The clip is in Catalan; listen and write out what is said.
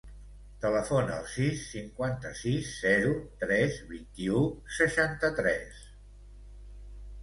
Telefona al sis, cinquanta-sis, zero, tres, vint-i-u, seixanta-tres.